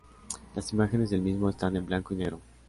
Las imágenes del mismo están en blanco y negro.